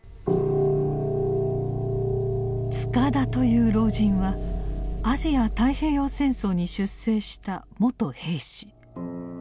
「塚田」という老人はアジア・太平洋戦争に出征した元兵士。